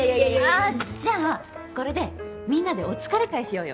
あじゃあこれでみんなでお疲れ会しようよ。